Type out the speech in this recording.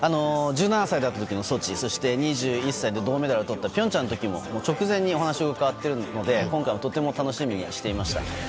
１７歳だった時のソチそして２１歳で銅メダルを取った平昌の時も直前にお話を伺っているので今回もとても楽しみにしていました。